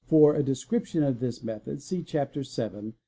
For a de cription of this method see Chapter VII.